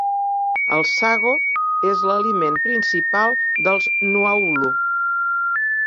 El sago és l'aliment principal dels Nuaulu.